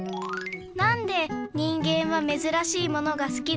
なんで人間はめずらしいものがすきなの？